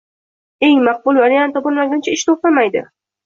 Eng maqbul variant topilmaguncha ish toʻxtamaydi.